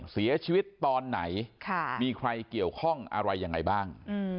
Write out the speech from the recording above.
เสียชีวิตตอนไหนมีใครเกี่ยวข้องอะไรยังไงบ้าง